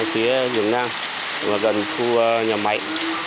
phía dưỡng nam gần khu nhà máy